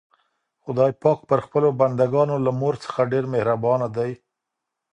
خدای پاک پر خپلو بندګانو له مور څخه ډېر مهربان دی.